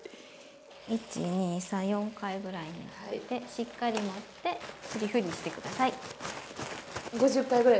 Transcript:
１２３４回ぐらいしっかり持ってふりふりして下さい。